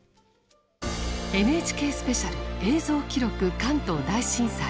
ＮＨＫスペシャル「映像記録関東大震災」。